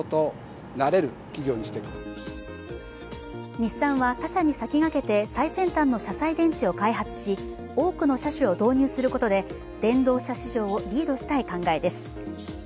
日産は他社に先駆けて最先端の車載電池を開発し多くの車種を投入することで電動車市場をリードしたい考えです。